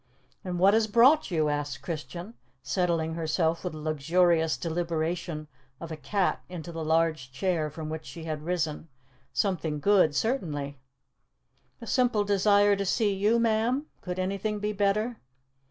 "And what has brought you?" asked Christian, settling herself with the luxurious deliberation of a cat into the large chair from which she had risen. "Something good, certainly." "The simple desire to see you, ma'am. Could anything be better?"